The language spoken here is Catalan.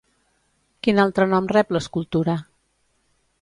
Quin altre nom rep l'escultura?